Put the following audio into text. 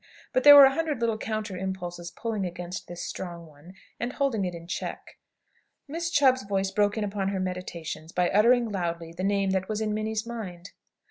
But there were a hundred little counter impulses pulling against this strong one, and holding it in check. Miss Chubb's voice broke in upon her meditations by uttering loudly the name that was in Minnie's mind.